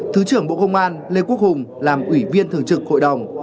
thứ trưởng bộ công an lê quốc hùng làm ủy viên thường trực hội đồng